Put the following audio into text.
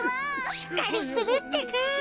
しっかりするってか。